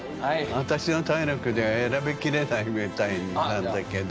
私の体力じゃ選びきれないみたいなんだけど。